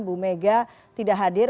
bu mega tidak hadir